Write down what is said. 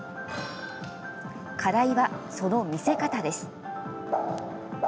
課題は、その見せ方です。